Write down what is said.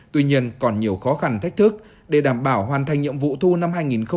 tuy nhiên còn nhiều khó khăn thách thức để đảm bảo hoàn thành nhiệm vụ thu năm hai nghìn hai mươi